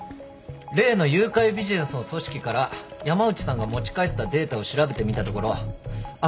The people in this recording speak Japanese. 例の誘拐ビジネスの組織から山内さんが持ち帰ったデータを調べてみたところ旭